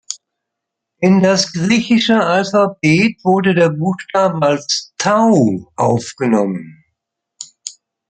In das griechische Alphabet wurde der Buchstabe als Tau aufgenommen.